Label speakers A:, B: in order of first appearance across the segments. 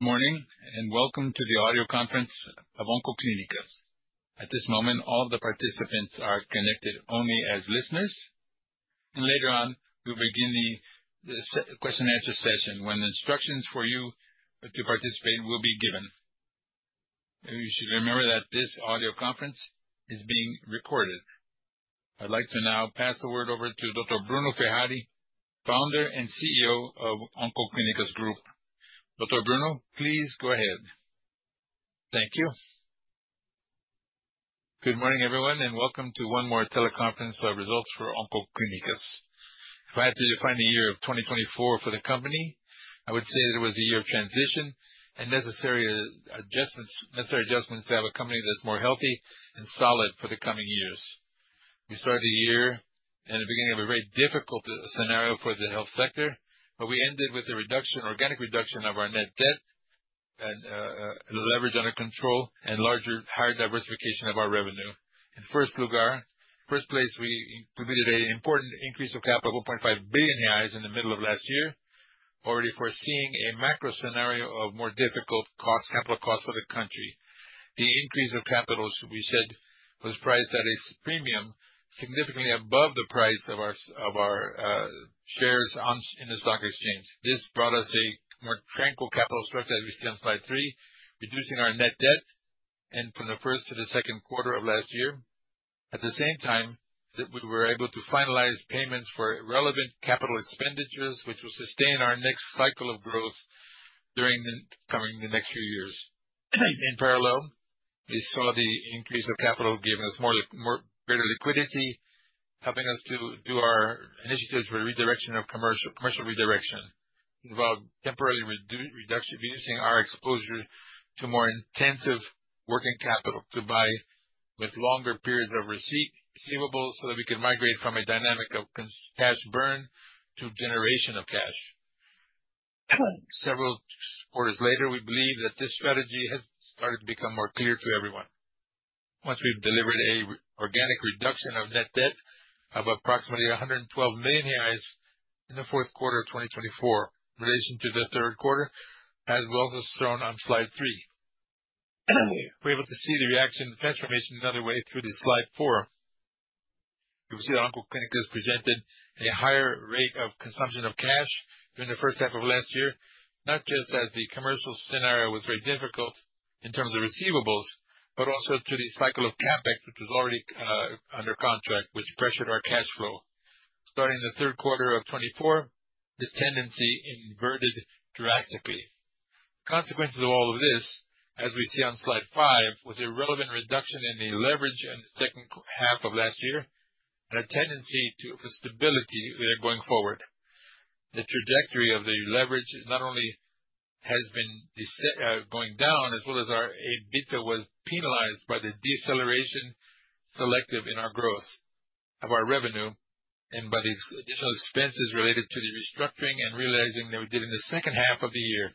A: Good morning and welcome to the audio conference of Oncoclínicas. At this moment, all the participants are connected only as listeners, and later on, we'll begin the question-and-answer session when the instructions for you to participate will be given. You should remember that this audio conference is being recorded. I'd like to now pass the word over to Dr. Bruno Ferrari, founder and CEO of Oncoclínicas. Dr. Bruno, please go ahead.
B: Thank you. Good morning, everyone, and welcome to one more teleconference of results for Oncoclínicas. If I had to define the year of 2024 for the company, I would say that it was a year of transition and necessary adjustments to have a company that's more healthy and solid for the coming years. We started the year at the beginning of a very difficult scenario for the health sector, but we ended with a reduction, organic reduction of our net debt and leverage under control, and larger, higher diversification of our revenue. In first place, we completed an important increase of capital of 1.5 billion reais in the middle of last year, already foreseeing a macro scenario of more difficult capital costs for the country. The increase of capital, we said, was priced at a premium significantly above the price of our shares in the stock exchange. This brought us a more tranquil capital structure as we see on slide three, reducing our net debt from the first to the second quarter of last year. At the same time, we were able to finalize payments for relevant capital expenditures, which will sustain our next cycle of growth during the coming next few years. In parallel, we saw the increase of capital giving us greater liquidity, helping us to do our initiatives for commercial redirection. It involved temporarily reducing our exposure to more intensive working capital to buy with longer periods of receivables so that we could migrate from a dynamic of cash burn to generation of cash. Several quarters later, we believe that this strategy has started to become more clear to everyone. Once we've delivered an organic reduction of net debt of approximately 112 million reais in the fourth quarter of 2024 in relation to the third quarter, as we also saw on slide three, we're able to see the reaction transformation another way through the slide four. We see that Oncoclínicas presented a higher rate of consumption of cash during the first half of last year, not just as the commercial scenario was very difficult in terms of receivables, but also to the cycle of CapEx, which was already under contract, which pressured our cash flow. Starting the third quarter of 2024, the tendency inverted drastically. Consequences of all of this, as we see on slide five, was a relevant reduction in the leverage in the second half of last year and a tendency for stability going forward. The trajectory of the leverage not only has been going down, as well as our EBITDA was penalized by the deceleration selective in our growth of our revenue and by the additional expenses related to the restructuring and realizing that we did in the second half of the year,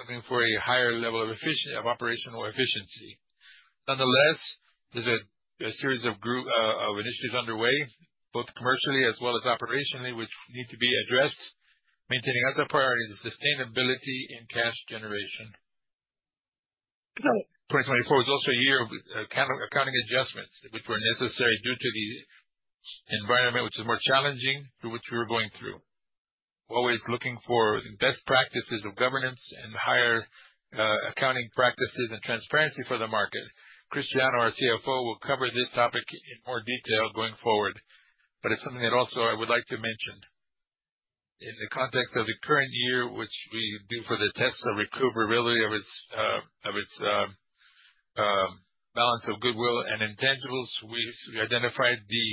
B: looking for a higher level of operational efficiency. Nonetheless, there's a series of initiatives underway, both commercially as well as operationally, which need to be addressed, maintaining other priorities of sustainability in cash generation. 2024 was also a year of accounting adjustments, which were necessary due to the environment, which is more challenging, through which we were going through. We're always looking for best practices of governance and higher accounting practices and transparency for the market. Cristiano, our CFO, will cover this topic in more detail going forward, but it's something that also I would like to mention. In the context of the current year, which we do for the test of recoverability of its balance of goodwill and intangibles, we identified the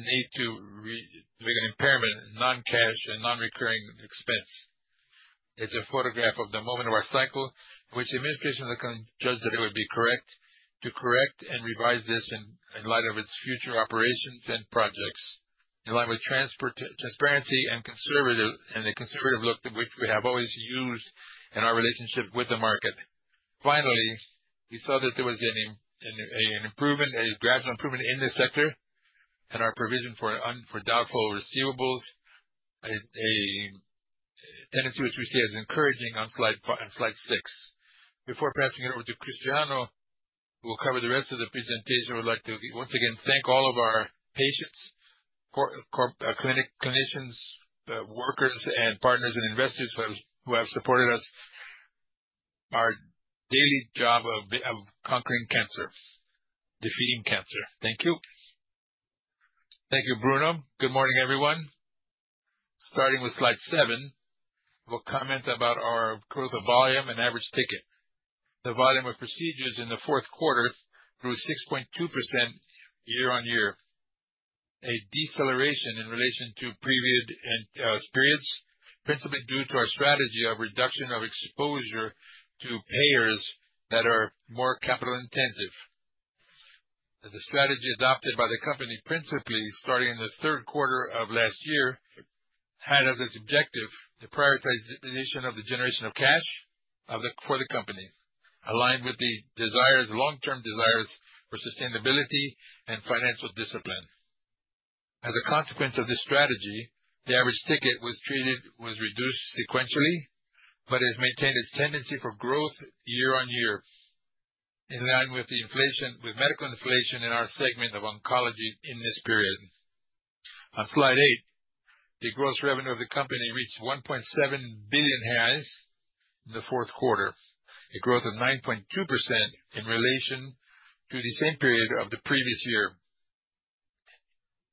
B: need to make an impairment, non-cash and non-recurring expense. It's a photograph of the moment of our cycle, which the administration of the country judged that it would be correct to correct and revise this in light of its future operations and projects, in line with transparency and the conservative look that we have always used in our relationship with the market. Finally, we saw that there was an improvement, a gradual improvement in the sector and our provision for doubtful receivables, a tendency which we see as encouraging on slide six. Before passing it over to Cristiano, who will cover the rest of the presentation, I would like to once again thank all of our patients, clinicians, workers, and partners and investors who have supported us in our daily job of conquering cancer, defeating cancer. Thank you.
C: Thank you, Bruno. Good morning, everyone. Starting with slide seven, we'll comment about our growth of volume and average ticket. The volume of procedures in the fourth quarter grew 6.2% year-on-year, a deceleration in relation to previous periods, principally due to our strategy of reduction of exposure to payers that are more capital intensive. The strategy adopted by the company principally starting in the third quarter of last year had as its objective the prioritization of the generation of cash for the company, aligned with the long-term desires for sustainability and financial discipline. As a consequence of this strategy, the average ticket was reduced sequentially, but has maintained its tendency for growth year-on-year, in line with medical inflation in our segment of oncology in this period. On slide eight, the gross revenue of the company reached 1.7 billion in the fourth quarter, a growth of 9.2% in relation to the same period of the previous year.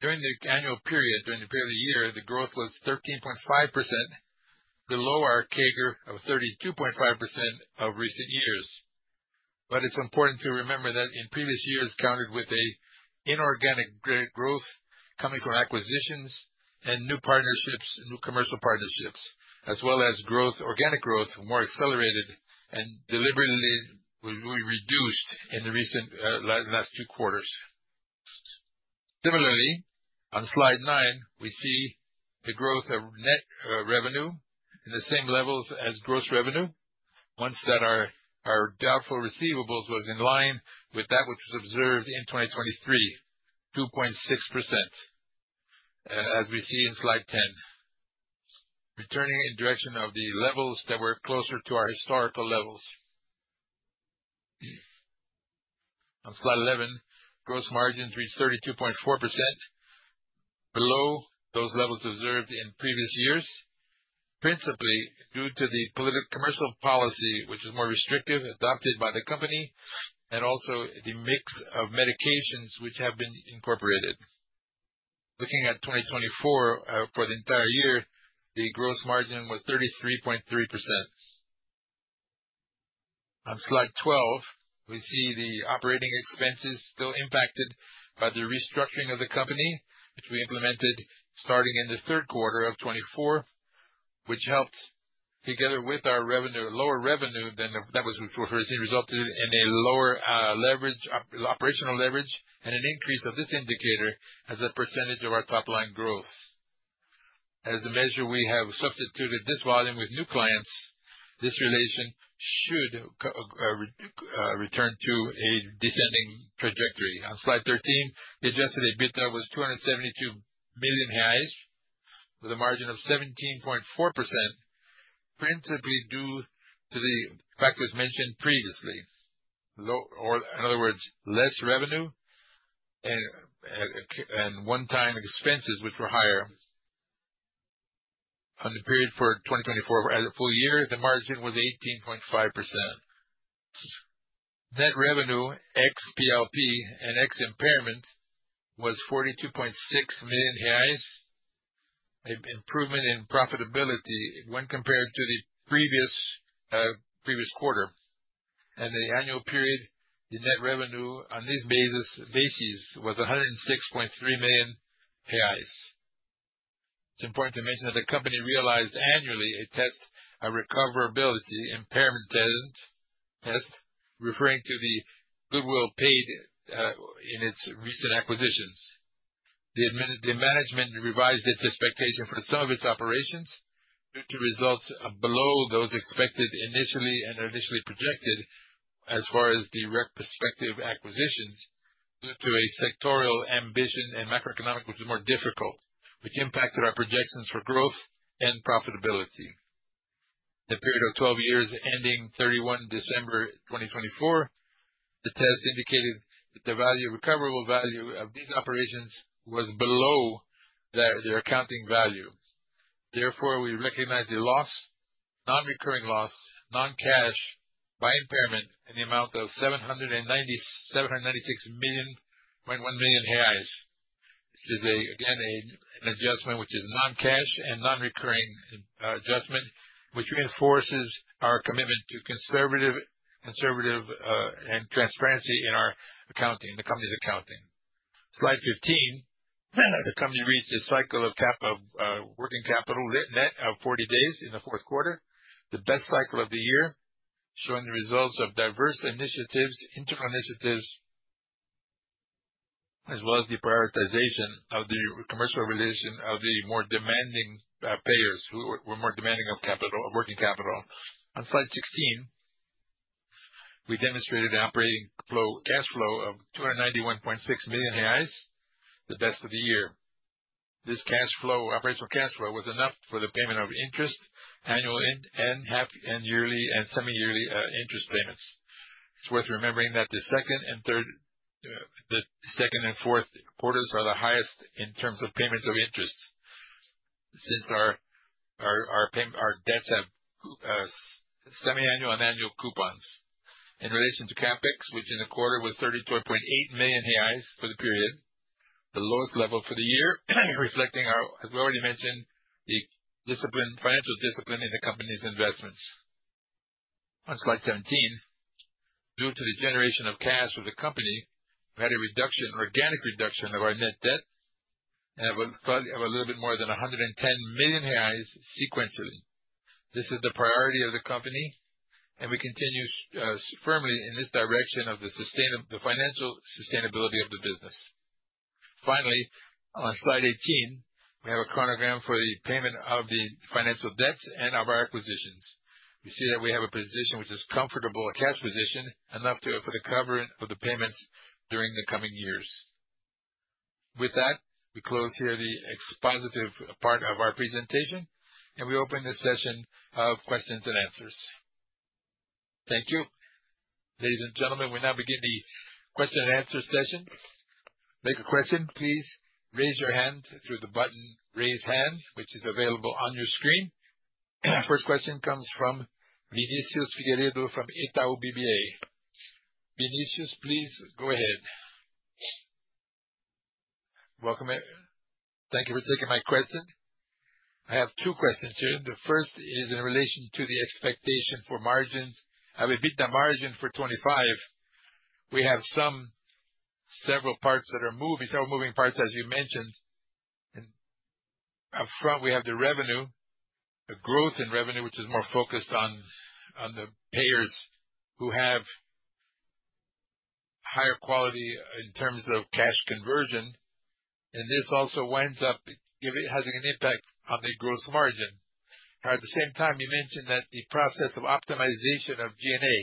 C: During the annual period, during the period of the year, the growth was 13.5%, below our CAGR of 32.5% of recent years. It is important to remember that in previous years, it counted with an inorganic growth coming from acquisitions and new commercial partnerships, as well as organic growth, more accelerated and deliberately reduced in the recent last two quarters. Similarly, on slide nine, we see the growth of net revenue in the same levels as gross revenue, ones that our doubtful receivables was in line with that which was observed in 2023, 2.6%, as we see in slide 10, returning in direction of the levels that were closer to our historical levels. On slide 11, gross margins reached 32.4%, below those levels observed in previous years, principally due to the commercial policy, which is more restrictive adopted by the company, and also the mix of medications which have been incorporated. Looking at 2024 for the entire year, the gross margin was 33.3%. On slide 12, we see the operating expenses still impacted by the restructuring of the company, which we implemented starting in the third quarter of 2024, which helped together with our lower revenue than that which was resulted in a lower operational leverage and an increase of this indicator as a percentage of our top-line growth. As a measure, we have substituted this volume with new clients. This relation should return to a descending trajectory. On slide 13, the adjusted EBITDA was 272 million, with a margin of 17.4%, principally due to the factors mentioned previously. In other words, less revenue and one-time expenses, which were higher. On the period for 2024, as a full year, the margin was 18.5%. Net revenue, ex-PLP and ex-impairment, was 42.6 million reais, an improvement in profitability when compared to the previous quarter. In the annual period, the net revenue on these bases was 106.3 million. It's important to mention that the company realized annually a test of recoverability impairment test, referring to the goodwill paid in its recent acquisitions. The management revised its expectation for some of its operations due to results below those expected initially and initially projected as far as the retrospective acquisitions, due to a sectoral ambition and macroeconomic which was more difficult, which impacted our projections for growth and profitability. In the period of 12 years, ending 31 December 2024, the test indicated that the recoverable value of these operations was below their accounting value. Therefore, we recognize the loss, non-recurring loss, non-cash by impairment in the amount of 796.1 million. This is, again, an adjustment which is non-cash and non-recurring adjustment, which reinforces our commitment to conservative and transparency in our accounting, the company's accounting. Slide 15, the company reached a cycle of working capital net of 40 days in the fourth quarter, the best cycle of the year, showing the results of diverse initiatives, internal initiatives, as well as the prioritization of the commercial relation of the more demanding payers who were more demanding of working capital. On slide 16, we demonstrated an operating cash flow of 291.6 million reais, the best of the year. This operational cash flow was enough for the payment of interest, annual and yearly and semi-yearly interest payments. It's worth remembering that the second and fourth quarters are the highest in terms of payments of interest since our debts have semi-annual and annual coupons. In relation to CapEx, which in the quarter was 32.8 million reais for the period, the lowest level for the year, reflecting, as we already mentioned, the financial discipline in the company's investments. On slide 17, due to the generation of cash of the company, we had a reduction, organic reduction of our net debt and of a little bit more than 110 million reais sequentially. This is the priority of the company, and we continue firmly in this direction of the financial sustainability of the business. Finally, on slide 18, we have a chronogram for the payment of the financial debts and of our acquisitions. We see that we have a position which is comfortable, a cash position enough for the covering of the payments during the coming years. With that, we close here the expositive part of our presentation, and we open the session of questions and answers.
A: Thank you. Ladies and gentlemen, we now begin the question and answer session. Make a question, please raise your hand through the button "Raise Hand," which is available on your screen. First question comes from Vinícius Figueiredo from Itaú BBA. Vinícius, please go ahead.
D: Thank you for taking my question. I have two questions here. The first is in relation to the expectation for margins. I have EBITDA margin for 2025. We have several parts that are moving, several moving parts, as you mentioned. Up front, we have the revenue, a growth in revenue, which is more focused on the payers who have higher quality in terms of cash conversion. This also winds up having an impact on the gross margin. At the same time, you mentioned that the process of optimization of G&A.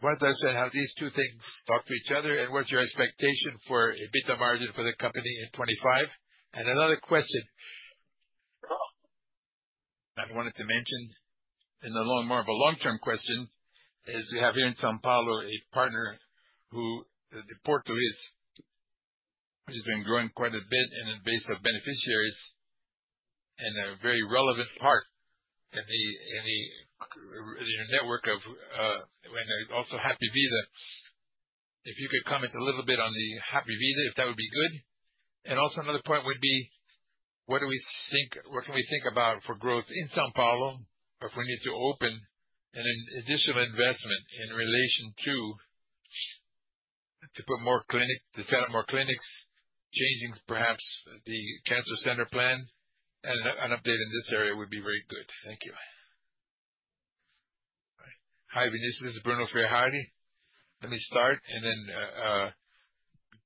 D: What does that show? How do these two things talk to each other, and what is your expectation for EBITDA margin for the company in 2025? Another question I wanted to mention, and a little more of a long-term question, is we have here in São Paulo a partner where Porto has been growing quite a bit in the base of beneficiaries and a very relevant part in your network of also Hapvida. If you could comment a little bit on the Hapvida, if that would be good. Also, another point would be, what do we think, what can we think about for growth in São Paulo if we need to open an additional investment in relation to set up more clinics, changing perhaps the cancer center plan? An update in this area would be very good.
B: Thank you. Hi, Vinícius. This is Bruno Ferrari. Let me start, and then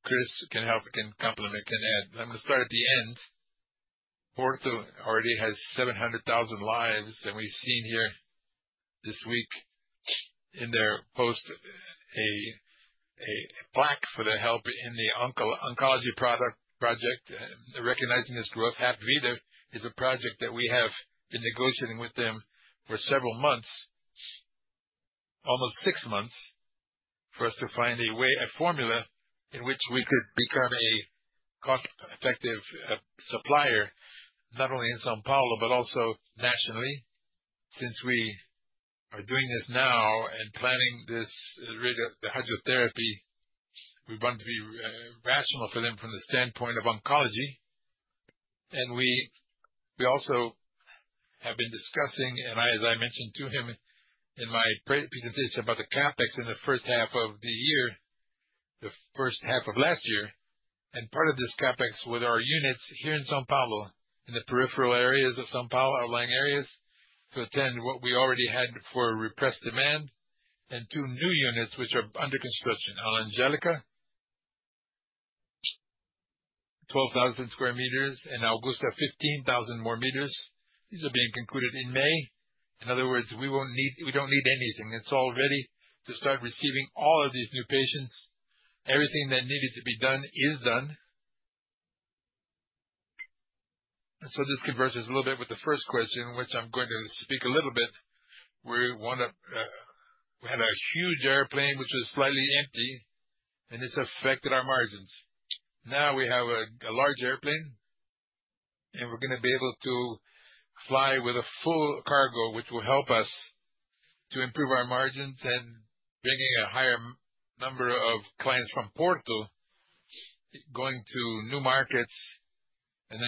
B: Cris can help, can complement, can add. I'm going to start at the end. Porto already has 700,000 lives, and we've seen here this week in their post a plaque for the help in the oncology project. Recognizing this growth, Hapvida is a project that we have been negotiating with them for several months, almost six months, for us to find a way, a formula in which we could become a cost-effective supplier, not only in São Paulo but also nationally. Since we are doing this now and planning the hydrotherapy, we want to be rational for them from the standpoint of oncology. We also have been discussing, and I, as I mentioned to him in my presentation about the CapEx in the first half of the year, the first half of last year, and part of this CapEx with our units here in São Paulo in the peripheral areas of São Paulo, outlying areas, to attend what we already had for repressed demand and two new units which are under construction: Angélica, 12,000 sq m, and Augusta, 15,000 more sq m. These are being concluded in May. In other words, we do not need anything. It is all ready to start receiving all of these new patients. Everything that needed to be done is done. This converses a little bit with the first question, which I'm going to speak a little bit. We had a huge airplane which was slightly empty, and this affected our margins. Now we have a large airplane, and we're going to be able to fly with a full cargo, which will help us to improve our margins and bringing a higher number of clients from Porto going to new markets. As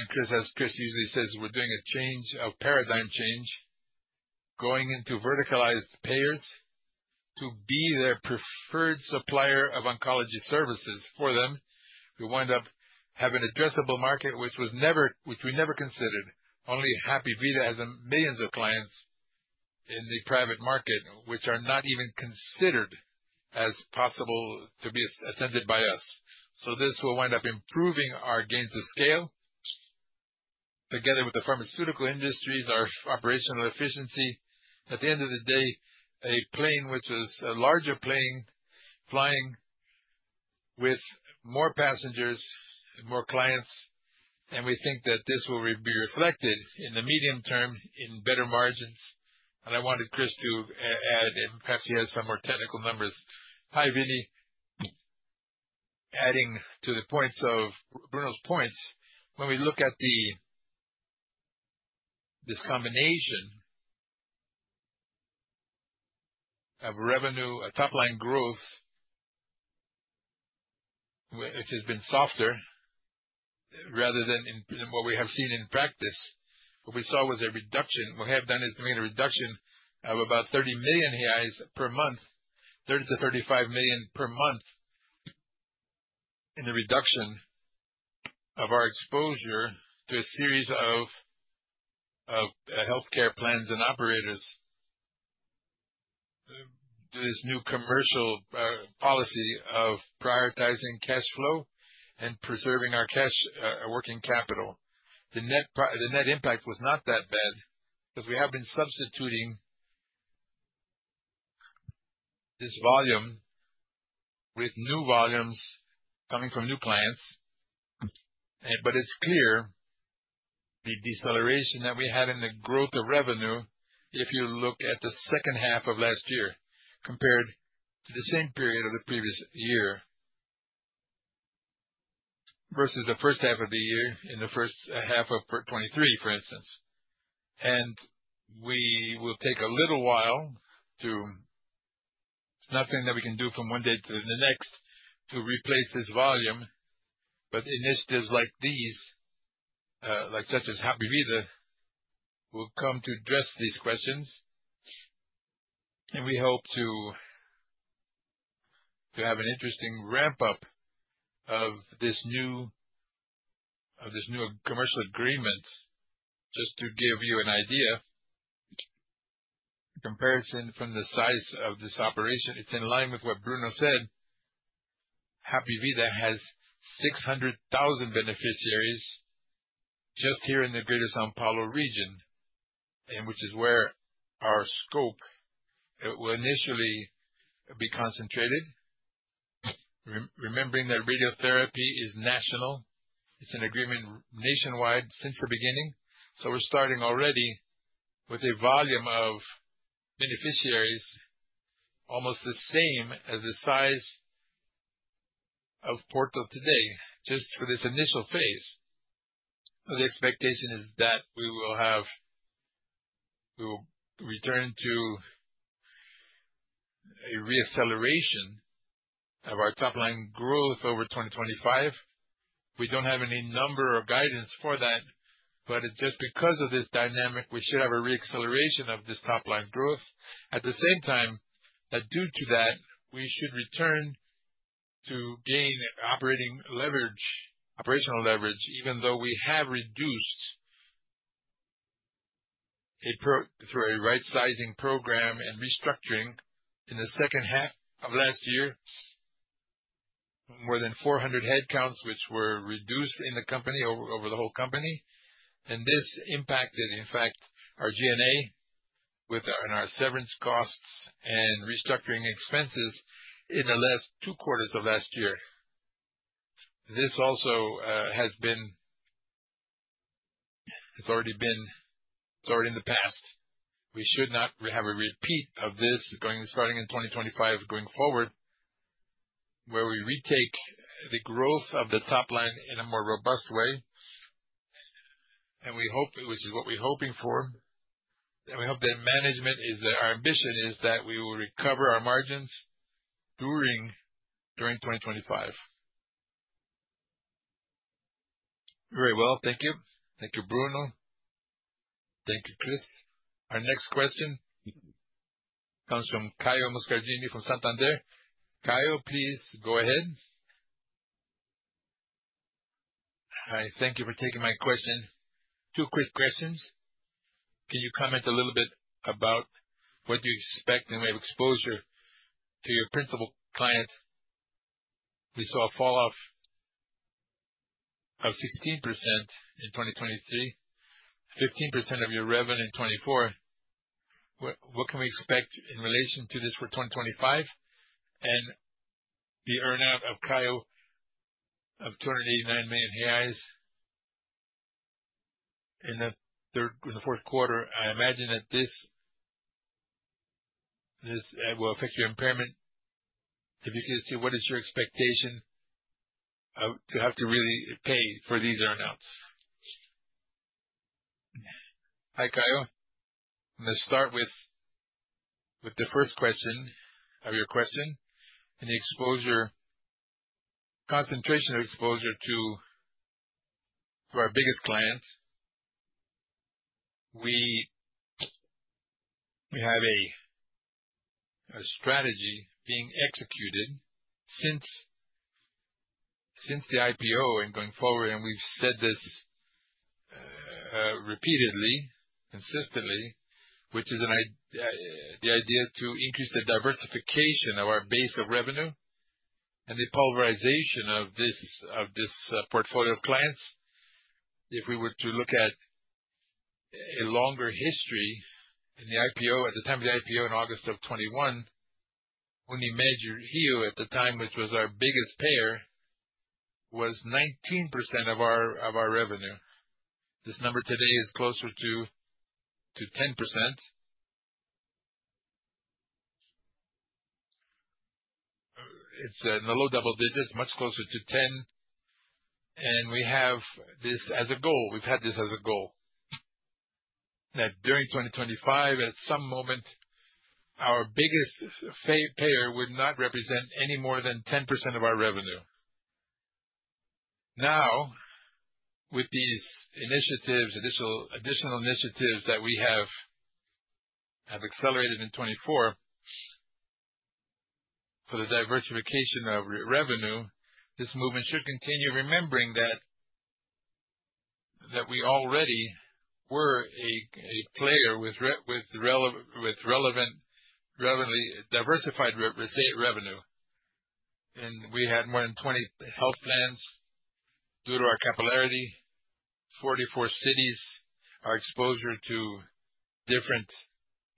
B: Cris usually says, we're doing a paradigm change, going into verticalized payers to be their preferred supplier of oncology services for them. We wind up having an addressable market which we never considered. Only Hapvida has millions of clients in the private market which are not even considered as possible to be attended by us. This will wind up improving our gains of scale together with the pharmaceutical industries, our operational efficiency. At the end of the day, a plane which is a larger plane flying with more passengers and more clients, we think that this will be reflected in the medium term in better margins. I wanted Cris to add, and perhaps he has some more technical numbers.
C: Hi, Vinny. Adding to Bruno's points, when we look at this combination of revenue, a top-line growth which has been softer rather than what we have seen in practice, what we saw was a reduction. What we have done is to make a reduction of about 30 million reais per month, 30-35 million per month in the reduction of our exposure to a series of healthcare plans and operators, this new commercial policy of prioritizing cash flow and preserving our working capital. The net impact was not that bad because we have been substituting this volume with new volumes coming from new clients. It is clear the deceleration that we had in the growth of revenue if you look at the second half of last year compared to the same period of the previous year versus the first half of the year in the first half of 2023, for instance. We will take a little while to—it is nothing that we can do from one day to the next to replace this volume, but initiatives like these, such as Hapvida, will come to address these questions. We hope to have an interesting ramp-up of this new commercial agreement, just to give you an idea. Comparison from the size of this operation, it is in line with what Bruno said. Hapvida has 600,000 beneficiaries just here in the Greater São Paulo region, which is where our scope will initially be concentrated. Remembering that radiotherapy is national. It is an agreement nationwide since the beginning. We are starting already with a volume of beneficiaries almost the same as the size of Porto today, just for this initial phase. The expectation is that we will return to a reacceleration of our top-line growth over 2025. We do not have any number or guidance for that, but just because of this dynamic, we should have a reacceleration of this top-line growth. At the same time, due to that, we should return to gain operational leverage, even though we have reduced through a right-sizing program and restructuring in the second half of last year, more than 400 head counts which were reduced in the company over the whole company. This impacted, in fact, our G&A and our severance costs and restructuring expenses in the last two quarters of last year. This also has been—it's already been—it's already in the past. We should not have a repeat of this starting in 2025 going forward, where we retake the growth of the top line in a more robust way. We hope, which is what we're hoping for, and we hope that management is—our ambition is that we will recover our margins during 2025.
D: Very well. Thank you. Thank you, Bruno. Thank you, Cris.
A: Our next question comes from Caio Moscardini from Santander. Caio, please go ahead.
E: Hi. Thank you for taking my question. Two quick questions. Can you comment a little bit about what do you expect in way of exposure to your principal client? We saw a falloff of 16% in 2023, 15% of your revenue in 2024. What can we expect in relation to this for 2025 and the earnout of CRIO of 289 million in the fourth quarter? I imagine that this will affect your impairment. If you could say, what is your expectation to have to really pay for these earnouts?
B: Hi, Caio. I'm going to start with the first question of your question and the exposure, concentration of exposure to our biggest clients. We have a strategy being executed since the IPO and going forward, and we've said this repeatedly, consistently, which is the idea to increase the diversification of our base of revenue and the pulverization of this portfolio of clients. If we were to look at a longer history in the IPO, at the time of the IPO in August of 2021, Unimed-Rio, at the time, which was our biggest payer, was 19% of our revenue. This number today is closer to 10%. It is in the low double digits, much closer to 10%. We have this as a goal. We have had this as a goal that during 2025, at some moment, our biggest payer would not represent any more than 10% of our revenue. Now, with these initiatives, additional initiatives that we have accelerated in 2024 for the diversification of revenue, this movement should continue, remembering that we already were a player with relevantly diversified state revenue. We had more than 20 health plans due to our capillarity, 44 cities, our exposure to different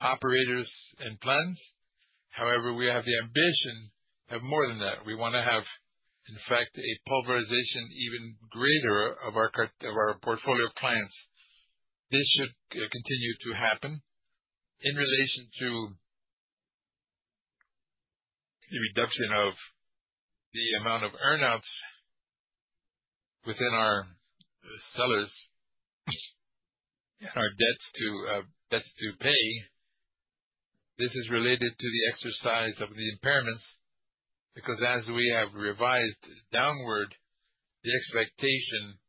B: operators and plans. However, we have the ambition of more than that. We want to have, in fact, a pulverization even greater of our portfolio of clients. This should continue to happen in relation to the reduction of the amount of earnouts within our sellers and our debts to pay. This is related to the exercise of the impairments because as we have revised downward, the expectation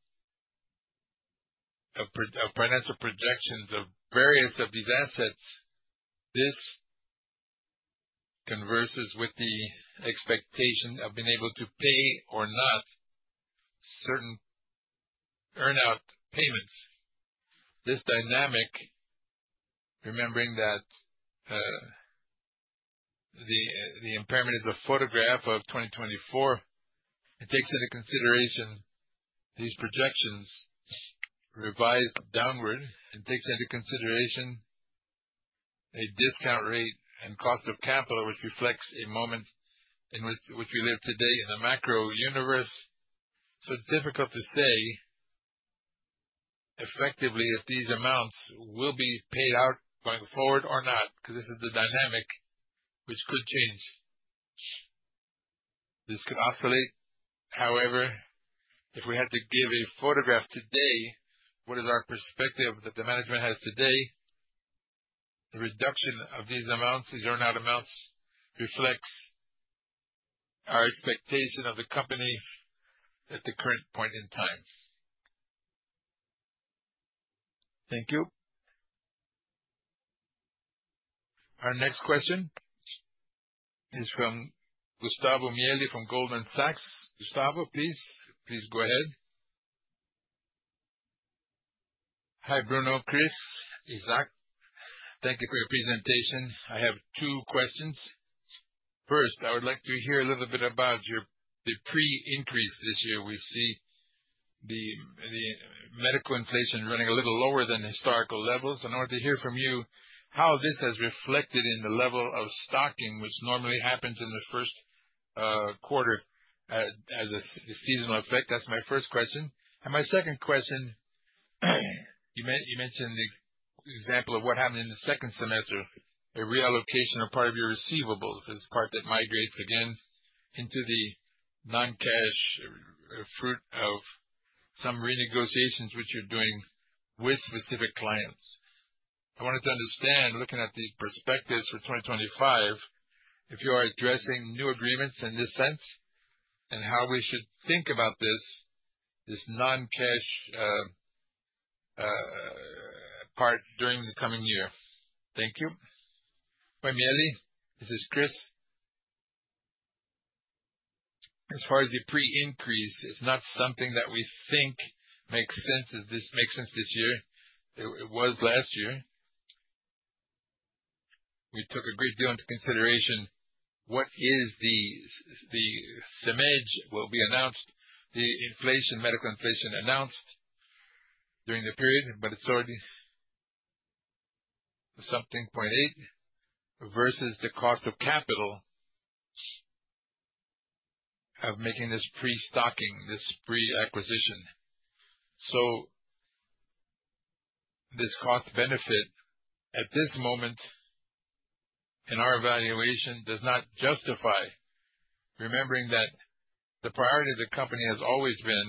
B: of financial projections of various of these assets, this converses with the expectation of being able to pay or not certain earnout payments. This dynamic, remembering that the impairment is a photograph of 2024, it takes into consideration these projections revised downward. It takes into consideration a discount rate and cost of capital, which reflects a moment in which we live today in the macro universe. It is difficult to say effectively if these amounts will be paid out going forward or not because this is the dynamic which could change. This could oscillate. However, if we had to give a photograph today, what is our perspective that the management has today? The reduction of these amounts, these earnout amounts, reflects our expectation of the company at the current point in time.
E: Thank you.
A: Our next question is from Gustavo Miele from Goldman Sachs. Gustavo, please. Please go ahead.
F: Hi, Bruno, Cris, Isaac. Thank you for your presentation. I have two questions. First, I would like to hear a little bit about the pre-increase this year. We see the medical inflation running a little lower than historical levels. I wanted to hear from you how this has reflected in the level of stocking, which normally happens in the first quarter as a seasonal effect. That is my first question. My second question, you mentioned the example of what happened in the second semester, a reallocation of part of your receivables as part that migrates again into the non-cash fruit of some renegotiations which you are doing with specific clients. I wanted to understand, looking at these perspectives for 2025, if you are addressing new agreements in this sense and how we should think about this non-cash part during the coming year. Thank you.
C: Hi Mieli, this is Cris. As far as the pre-increase, it's not something that we think makes sense as this makes sense this year. It was last year. We took a great deal into consideration what is the CMED will be announced, the medical inflation announced during the period, but it's already something 0.8 versus the cost of capital of making this pre-stocking, this pre-acquisition. So this cost-benefit at this moment in our evaluation does not justify remembering that the priority of the company has always been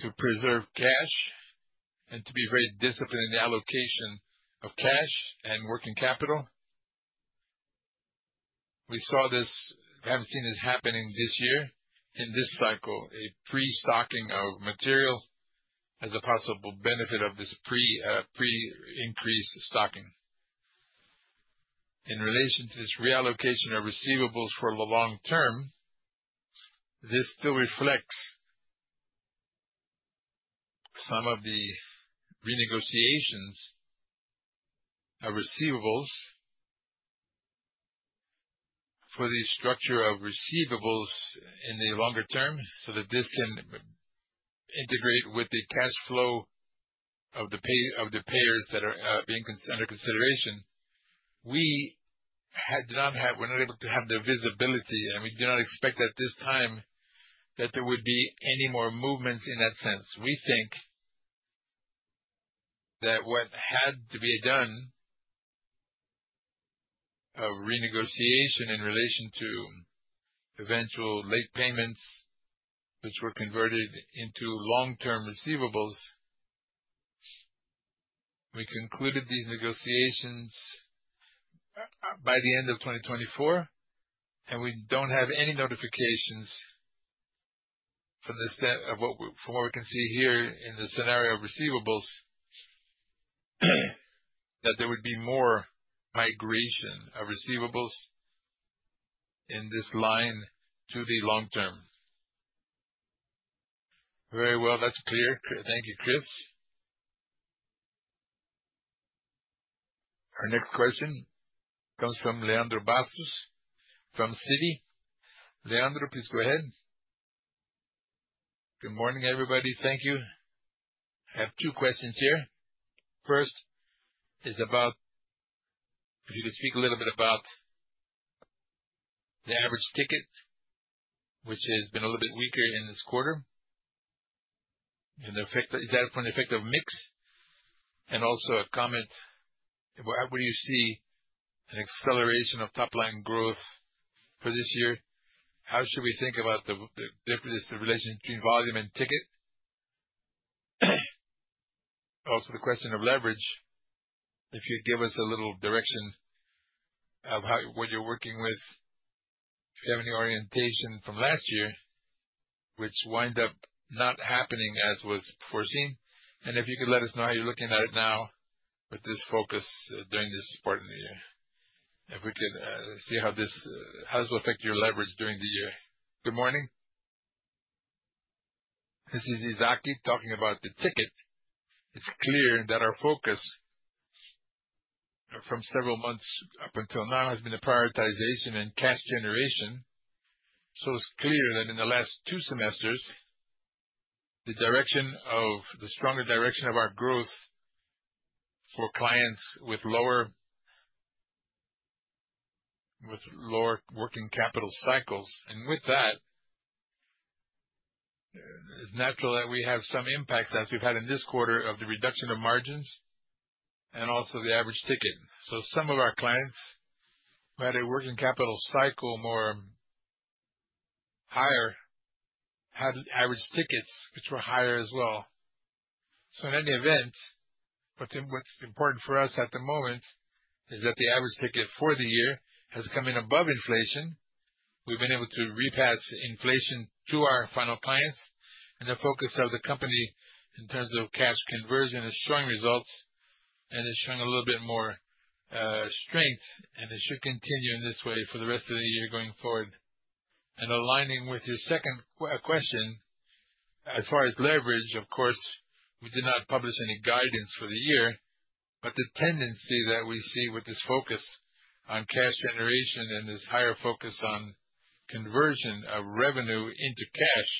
C: to preserve cash and to be very disciplined in the allocation of cash and working capital. We saw this. We haven't seen this happening this year in this cycle, a pre-stocking of material as a possible benefit of this pre-increase stocking. In relation to this reallocation of receivables for the long term, this still reflects some of the renegotiations of receivables for the structure of receivables in the longer term so that this can integrate with the cash flow of the payers that are under consideration. We were not able to have the visibility, and we do not expect at this time that there would be any more movements in that sense. We think that what had to be done of renegotiation in relation to eventual late payments, which were converted into long-term receivables, we concluded these negotiations by the end of 2024, and we do not have any notifications from what we can see here in the scenario of receivables that there would be more migration of receivables in this line to the long term.
F: Very well. That is clear. Thank you, Cris.
A: Our next question comes from Leandro Bastos from Citi. Leandro, please go ahead.
G: Good morning, everybody. Thank you. I have two questions here. First is about if you could speak a little bit about the average ticket, which has been a little bit weaker in this quarter. Is that from the effect of mix? And also a comment, where do you see an acceleration of top-line growth for this year? How should we think about the difference in relation between volume and ticket? Also, the question of leverage, if you could give us a little direction of what you're working with, if you have any orientation from last year, which wind up not happening as was foreseen. If you could let us know how you're looking at it now with this focus during this part of the year. If we could see how this will affect your leverage during the year.
H: Good morning. This is Isaac talking about the ticket. It's clear that our focus from several months up until now has been the prioritization and cash generation. It's clear that in the last two semesters, the stronger direction of our growth for clients with lower working capital cycles. It is natural that we have some impacts as we have had in this quarter of the reduction of margins and also the average ticket. Some of our clients who had a working capital cycle more higher had average tickets which were higher as well. In any event, what is important for us at the moment is that the average ticket for the year has come in above inflation. We have been able to repass inflation to our final clients. The focus of the company in terms of cash conversion is showing results and is showing a little bit more strength, and it should continue in this way for the rest of the year going forward. Aligning with your second question, as far as leverage, of course, we did not publish any guidance for the year, but the tendency that we see with this focus on cash generation and this higher focus on conversion of revenue into cash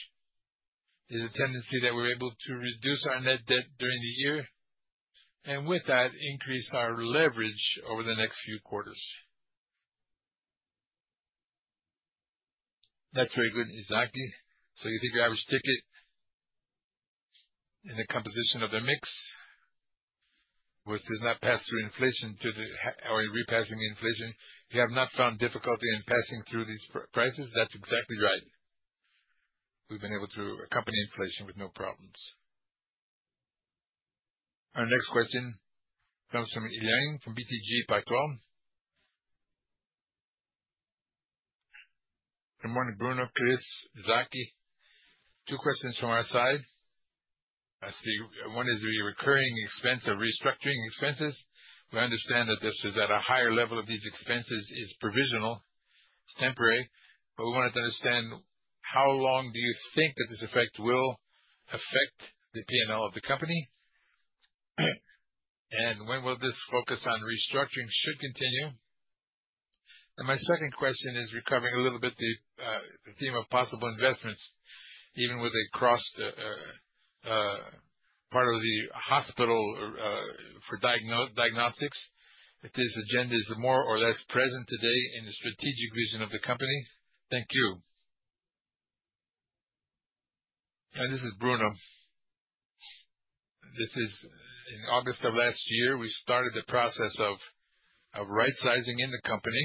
H: is a tendency that we're able to reduce our net debt during the year and with that increase our leverage over the next few quarters.
G: That's very good, Isaac. So you think your average ticket and the composition of the mix, which does not pass through inflation or repassing inflation, you have not found difficulty in passing through these prices?
H: That's exactly right. We've been able to accompany inflation with no problems.
A: Our next question comes from Yan from BTG Pactual.
I: Good morning, Bruno, Cris, Isaac. Two questions from our side. One is the recurring expense of restructuring expenses. We understand that this is at a higher level of these expenses, is provisional, temporary, but we wanted to understand how long do you think that this effect will affect the P&L of the company and when will this focus on restructuring should continue. My second question is recovering a little bit the theme of possible investments, even with a cross part of the hospital for diagnostics. If this agenda is more or less present today in the strategic vision of the company. Thank you.
B: This is Bruno. This is in August of last year. We started the process of right-sizing in the company,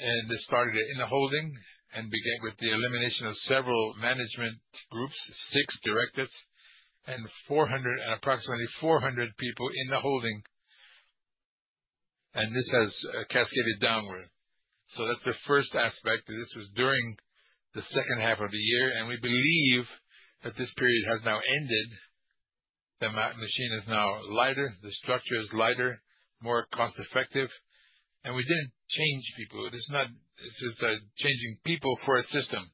B: and this started in the holding and began with the elimination of several management groups, six directors, and approximately 400 people in the holding. This has cascaded downward. That is the first aspect. This was during the second half of the year, and we believe that this period has now ended. The machine is now lighter. The structure is lighter, more cost-effective. And we did not change people. This is changing people for a system.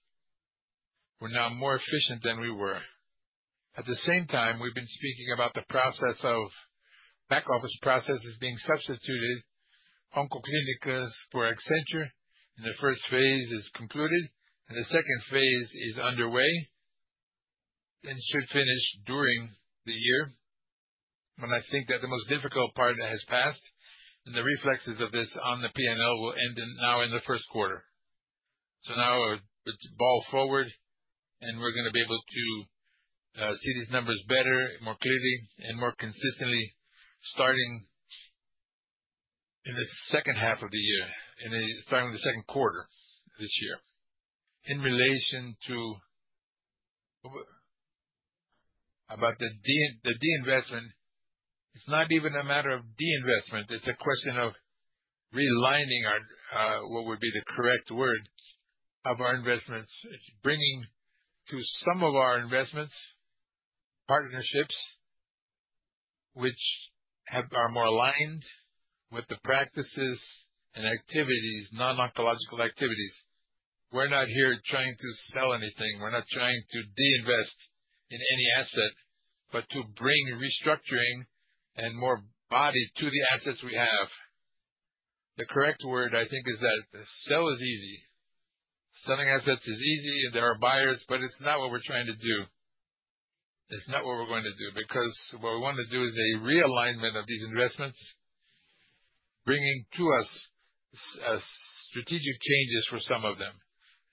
B: We are now more efficient than we were. At the same time, we have been speaking about the process of back-office processes being substituted. Oncoclínicas for Accenture in the first phase is concluded, and the second phase is underway and should finish during the year. I think that the most difficult part has passed, and the reflexes of this on the P&L will end now in the first quarter. Now it is ball forward, and we are going to be able to see these numbers better, more clearly, and more consistently starting in the second half of the year, starting with the second quarter this year. In relation to about the deinvestment, it's not even a matter of deinvestment. It's a question of realigning what would be the correct word of our investments. It's bringing to some of our investments partnerships which are more aligned with the practices and activities, non-oncological activities. We're not here trying to sell anything. We're not trying to deinvest in any asset, but to bring restructuring and more body to the assets we have. The correct word, I think, is that sell is easy. Selling assets is easy, and there are buyers, but it's not what we're trying to do. It's not what we're going to do because what we want to do is a realignment of these investments, bringing to us strategic changes for some of them,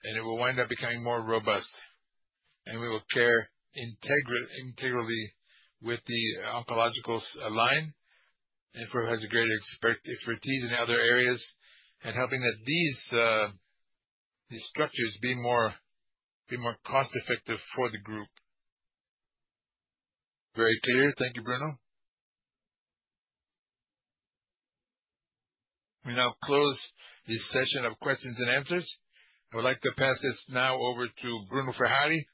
B: and it will wind up becoming more robust. We will care integrally with the oncological line and for who has a greater expertise in other areas and helping that these structures be more cost-effective for the group.
I: Very clear. Thank you, Bruno.
A: We now close the session of questions and answers. I would like to pass this now over to Bruno Ferrari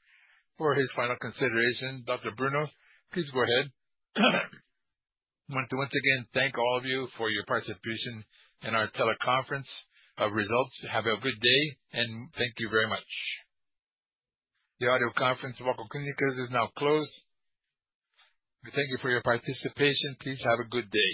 A: for his final consideration. Dr. Bruno, please go ahead.
B: I want to once again thank all of you for your participation in our teleconference of results. Have a good day, and thank you very much.
A: The audio conference of Oncoclínicas is now closed. We thank you for your participation. Please have a good day.